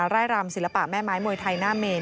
ไร่รำศิลปะแม่ไม้มวยไทยหน้าเมน